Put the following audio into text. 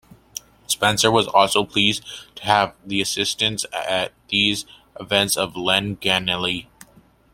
Spencer was also pleased to have the assistance at these events of Len Ganley.